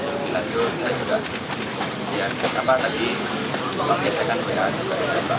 atau menyampaikan hal hal yang bisa disampaikan oleh saya sama ps